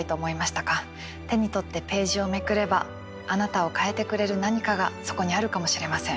手に取ってページをめくればあなたを変えてくれる何かがそこにあるかもしれません。